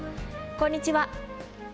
こんにちは。